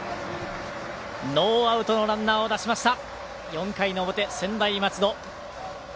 ノーアウトのランナーを出しました４回の表、専大松戸。